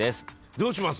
どうします？